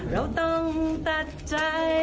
เราต้องตัดใจ